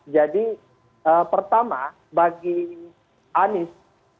jadi pertama bagi anies